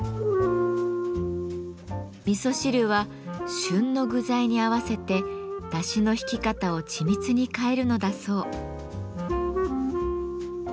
みそ汁は旬の具材に合わせてだしのひき方を緻密に変えるのだそう。